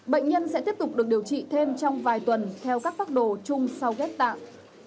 bệnh nhân sẽ tiếp tục được điều trị thêm trong vài tuần theo các phác đồ chung sau ghép tạng